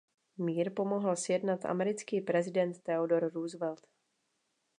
Mír pomohl sjednat americký prezident Theodore Roosevelt.